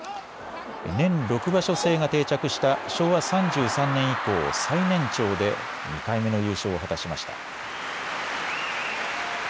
年６場所制が定着した昭和３３年以降、最年長で２回目の優勝を果たしました。